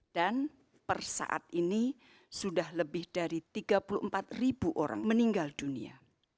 dan persaat ini sudah lebih dari tiga puluh empat ribu orang meninggal dunia